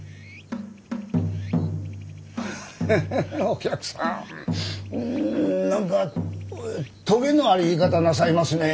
ハハお客さん何かトゲのある言い方なさいますね。